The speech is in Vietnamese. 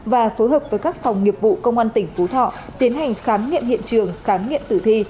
và phối hợp với các phòng nghiệp vụ công an tỉnh phú thọ tiến hành khám nghiệm hiện trường khám nghiệm tử thi